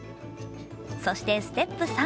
そして、ステップ３。